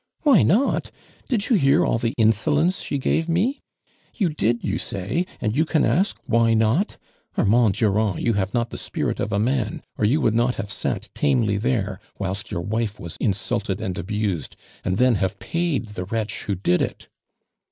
" Why not ! Did you hear all the insolence she gave me ? You did, you say, and you can ask why not ! Armand Durand, you have not the spirit of a man, or you would not have sat tamely there wlalst yom wife was insulted and abused, and then have paid the wretch who did it."